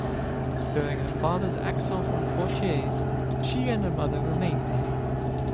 During her father's exile from Poitiers she and her mother remained there.